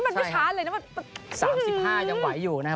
๓๕ยังไหวอยู่นะครับ